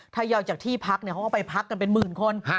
ถ้ายอยจากที่พักเขาก็ไปพักกันเป็นหมื่นคน